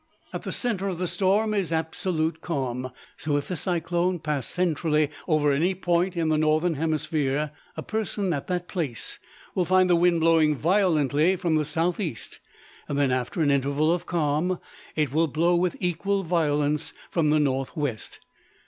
At the center of the storm is absolute calm. So if a cyclone pass centrally over any point in the northern hemisphere, a person at that place will find the wind blowing violently from the southeast: then after an interval of calm, it will blow with equal violence from the northwest.